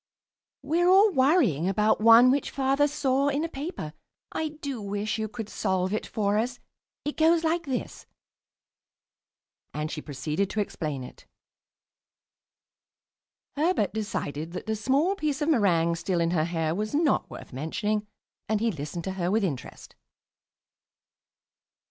"We're all worrying about one which Father saw in a paper. I do wish you could solve it for us. It goes like this." And she proceeded to explain it. Herbert decided that the small piece of meringue still in her hair was not worth mentioning, and he listened to her with interest.